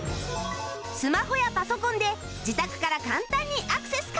スマホやパソコンで自宅から簡単にアクセス可能！